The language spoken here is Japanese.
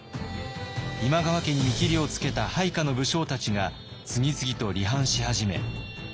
今川家に見切りをつけた配下の武将たちが次々と離反し始め